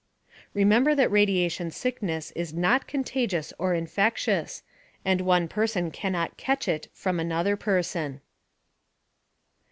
Remember that radiation sickness is not contagious or infectious, and one person cannot "catch it" from another person.